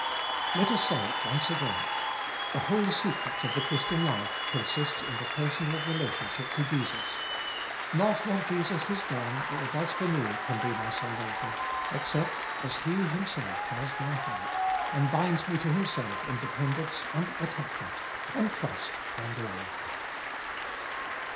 2. Let us say it once again : the whole secret of the Christian life consists in the personal relationship to Jesus. Not what Jesus has done or does for me can be my salvation, except as He Himself has my heart, and binds me to Himself in dependence and attachment, and trust and love.